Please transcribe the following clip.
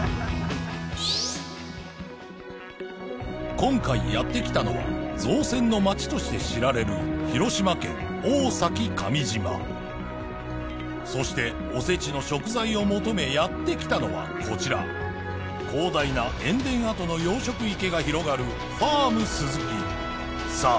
今回やって来たのは造船の町として知られる広島県大崎上島そしておせちの食材を求めやって来たのはこちら広大な塩田跡の養殖池が広がるファームスズキさあ